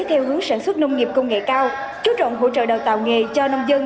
theo hướng sản xuất nông nghiệp công nghệ cao chú trọng hỗ trợ đào tạo nghề cho nông dân